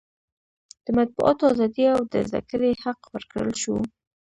د مطبوعاتو ازادي او د زده کړې حق ورکړل شو.